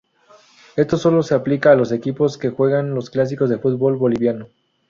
Esto solo se aplica a los equipos que juegan los clásicos del fútbol boliviano.